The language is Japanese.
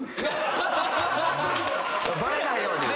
・バレないように。